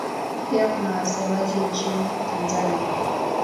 Pia kuna wasemaji nchini Tanzania.